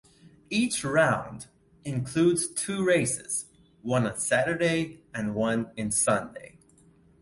Each round includes two races one on Saturday and one in Sunday.